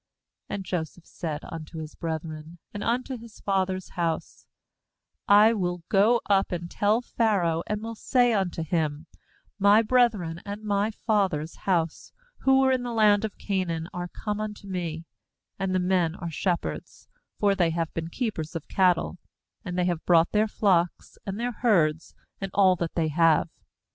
31And Joseph said unto his brethren, and unto his father's house: 'I will go up, and tell Pharaoh, and will say 58 GENESIS 47 18' unto him: My brethren, and my father's house, who were in the land of Canaan, are come unto me; ^and the men are shepherds, for they have been keepers of cattle; and they have brought their flocks, and their herds, and all that they have.